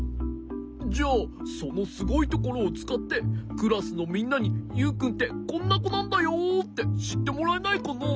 じゃあそのすごいところをつかってクラスのみんなにユウくんってこんなこなんだよってしってもらえないかな？